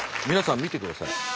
皆さん見てください。